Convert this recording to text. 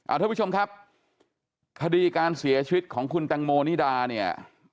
ท่านผู้ชมครับคดีการเสียชีวิตของคุณแตงโมนิดาเนี่ย